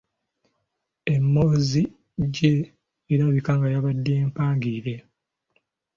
Emboozi gye erabika nga yabadde mpangirire.